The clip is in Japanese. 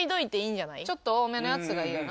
ちょっと多めのやつがいいよな。